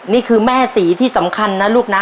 นี่คือแม่ศรีที่สำคัญนะลูกนะ